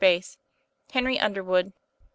HENRY UNDERWOOD, r.